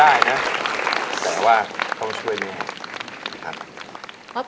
เป็นอะไรก็ได้นะแต่ว่าต้องช่วยแม่ครับ